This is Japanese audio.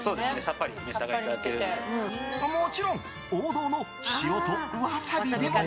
もちろん王道の塩とワサビでも。